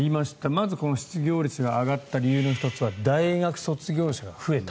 まず失業率が上がった理由の１つは大学卒業者が増えた。